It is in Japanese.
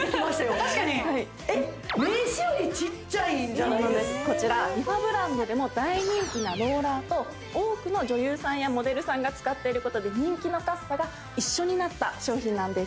確かにえ名刺よりちっちゃいんじゃこちらＲｅＦａブランドでも大人気なローラーと多くの女優さんやモデルさんが使っていることで人気のカッサが一緒になった商品なんです